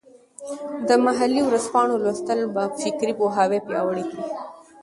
د محلي ورځپاڼو لوستل به فکري پوهاوي پیاوړی کړي.